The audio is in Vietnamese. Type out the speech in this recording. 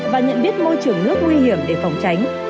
và nhận biết môi trường nước nguy hiểm để phòng tránh